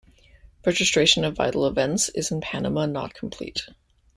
Registration of vital events is in Panama not complete.